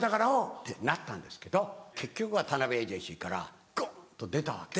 ってなったんですけど結局は田辺エージェンシーからゴッと出たわけです。